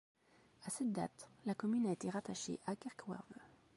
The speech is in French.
À cette date, la commune a été rattachée à Kerkwerve.